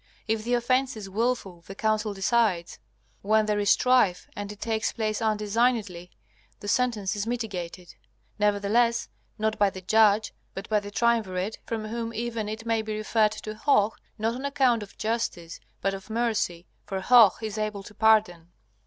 If the offence is wilful the Council decides. When there is strife and it takes place undesignedly, the sentence is mitigated; nevertheless, not by the judge but by the triumvirate, from whom even it may be referred to Hoh, not on account of justice but of mercy, for Hoh is able to pardon.